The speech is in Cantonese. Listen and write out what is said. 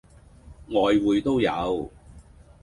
外滙都有